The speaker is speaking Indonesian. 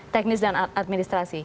teknis dan administrasi